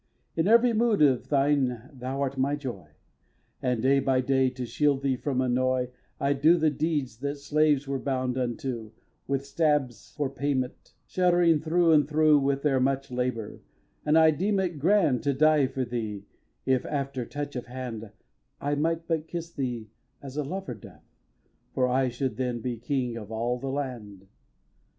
xvii. In every mood of thine thou art my joy, And, day by day, to shield thee from annoy, I'd do the deeds that slaves were bound unto With stabs for payment, shuddering through and through With their much labour; and I'd deem it grand To die for thee if, after touch of hand, I might but kiss thee as a lover doth; For I should then be king of all the land.